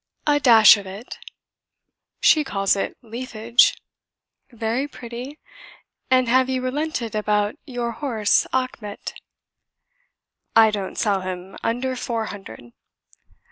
"A dash of it." "She calls it 'leafage'." "Very pretty. And have you relented about your horse Achmet?" "I don't sell him under four hundred."